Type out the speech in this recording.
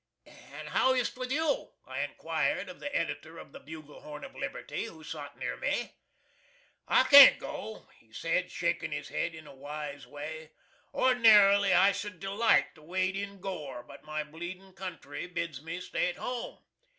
"And how ist with you?" I inquired of the editor of the "Bugle Horn of Liberty," who sot near me. "I can't go," he said, shakin' his head in a wise way. "Ordinarily I should delight to wade in gore, but my bleedin' country bids me stay at home.